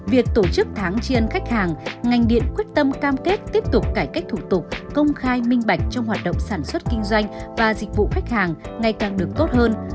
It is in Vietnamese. việc tổ chức tháng chiên khách hàng ngành điện quyết tâm cam kết tiếp tục cải cách thủ tục công khai minh bạch trong hoạt động sản xuất kinh doanh và dịch vụ khách hàng ngày càng được tốt hơn